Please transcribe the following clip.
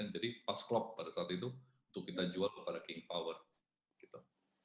jadi pas klop pada saat itu untuk kita jual kepada king power gitu